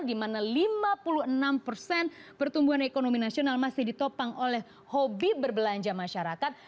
di mana lima puluh enam persen pertumbuhan ekonomi nasional masih ditopang oleh hobi berbelanja masyarakat